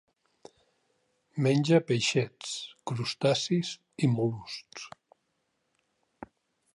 Menja peixets, crustacis i mol·luscs.